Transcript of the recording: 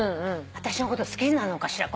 私のこと好きなのかしら？